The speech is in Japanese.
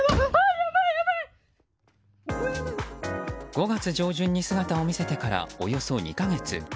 ５月上旬に姿を見せてからおよそ２か月。